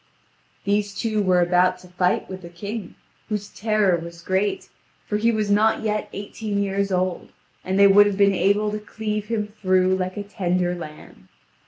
These two were about to fight with the king, whose terror was great, for he was not yet eighteen years old, and they would have been able to cleave him through like a tender lamb.